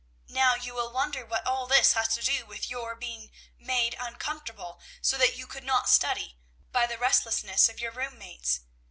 Now you will wonder what all this has to do with your being made uncomfortable, so that you could not study, by the restlessness of your room mates.